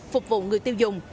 phục vụ người tiêu dùng